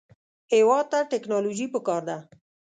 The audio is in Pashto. هېواد ته ټیکنالوژي پکار ده